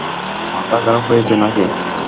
মাথা খারাপ হয়েছে না-কি!